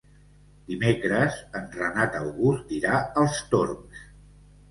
Dimecres en Renat August irà als Torms.